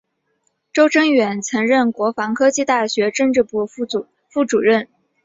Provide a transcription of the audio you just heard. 邹征远曾任国防科技大学政治部副主任。